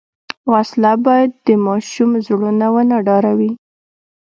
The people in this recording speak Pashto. وسله باید د ماشوم زړونه ونه ډاروي